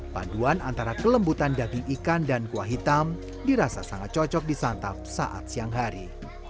paduan antara kelembutan daging ikan dan kuah hitam dirasa sangat cocok disantap saat siang hari